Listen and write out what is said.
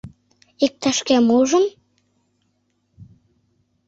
Иктаж-кӧм ужын?